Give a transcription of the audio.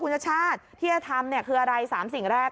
คุณชาติชาติที่จะทำคืออะไร๓สิ่งแรก